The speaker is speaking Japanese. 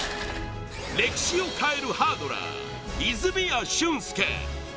歴史を変えるハードラー泉谷駿介。